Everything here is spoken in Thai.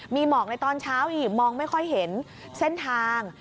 มีหมอกในตอนเช้าอีกมองไม่ค่อยเห็นเส้นทาง